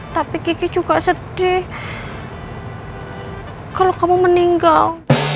tapi kiki juga sedih kalau kamu meninggal